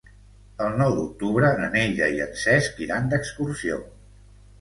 El nou d'octubre na Neida i en Cesc iran d'excursió.